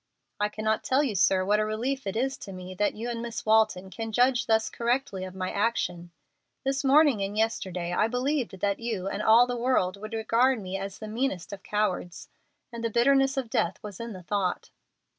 "I cannot tell you, sir, what a relief it is to me that you and Miss Walton can judge thus correctly of my action. This morning and yesterday I believed that you and all the world would regard me as the meanest of cowards, and the bitterness of death was in the thought."